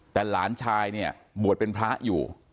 แต่หลานชายบวชเป็นพระอยู่